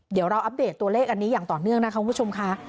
เดี๋ยวเราอัปเดตตัวเลขอันนี้อย่างต่อเนื่องนะคะคุณผู้ชมค่ะ